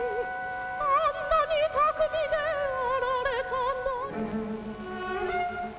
「あんなに巧みであられたのに」